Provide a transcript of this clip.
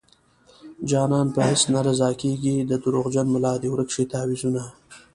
جانان په هيڅ نه رضا کيږي د دروغجن ملا دې ورک شي تعويذونه